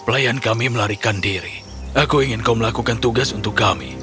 pelayan kami melarikan diri aku ingin kau melakukan tugas untuk kami